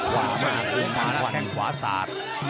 ขวามากมาแล้วแค่ขวาศาสตร์